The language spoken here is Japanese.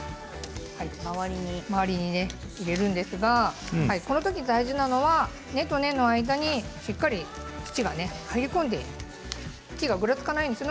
周りにね入れるんですがこのとき大事なのは根と根の間にしっかり土が入り込んでいる。